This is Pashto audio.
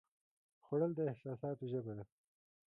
خوړل د احساساتو ژبه ده